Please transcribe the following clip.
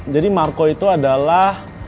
jadi marco itu adalah